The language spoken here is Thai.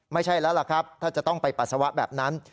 ไม่ใช่แล้วล่ะครับถ้าจะต้องไปปัสสาวะแบบนั้น